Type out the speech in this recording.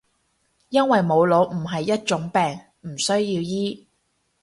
因為冇腦唔係一種病，唔需要醫